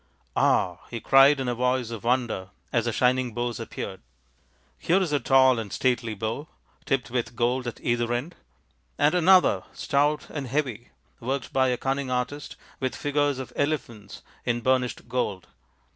" Ah !" he cried in a voice of wonder, as the shining bows appeared, "here is a tall and stately bow, tipped with gold at either end ; and another, stout and heavy, worked by a cunning artist with figures of elephants in burnished gold."